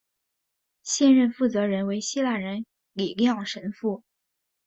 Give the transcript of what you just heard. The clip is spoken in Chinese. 现任负责人为希腊人李亮神父。